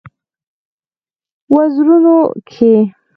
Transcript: وزرونو کې